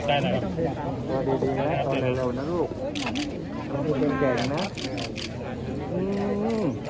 ขอบคุณครับ